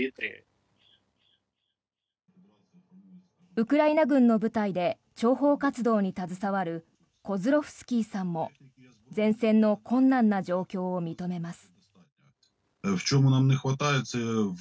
ウクライナ軍の部隊で諜報活動に携わるコズロフスキーさんも前線の困難な状況を認めます。